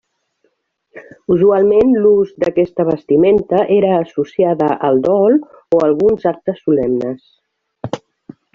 Usualment l'ús d'aquesta vestimenta era associada al dol o alguns actes solemnes.